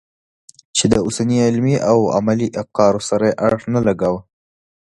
چې د اوسني علمي او عملي افکارو سره یې اړخ نه لګاوه.